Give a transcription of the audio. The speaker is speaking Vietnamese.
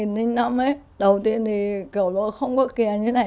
năm hai nghìn năm ấy đầu tiên thì cậu tôi không có kìa như này